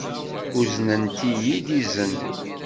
Uznent-iyi-d izen.